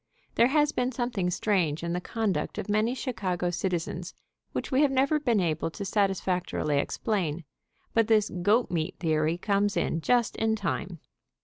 There has been something strange in the conduct of many Chicago citizens which we have never been able to satisfactorily explain, but this goat meat theory comes in just in time.